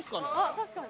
確かに。